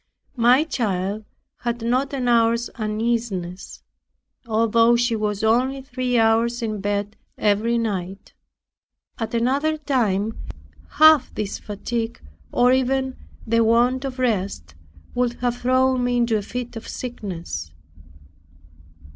My child had not an hour's uneasiness, although she was only three hours in bed every night. At another time half this fatigue, or even the want of rest, would have thrown me into a fit of sickness.